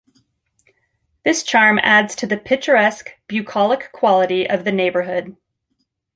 This charm adds to the picturesque, bucolic quality of the neighborhood.